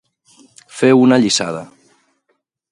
Fer una allisada.